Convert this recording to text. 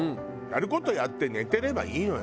やる事やって寝てればいいのよ。